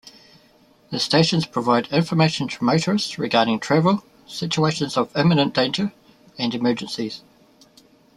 The stations provide information to motorists regarding travel, situations of imminent danger and emergencies.